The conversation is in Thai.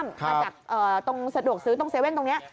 มาจากตรงสะดวกซื้อตรงเซเว่นตรงนี้